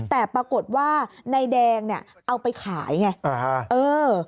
แต่ปรากฏว่านายแดงนี่เอาไปขายไง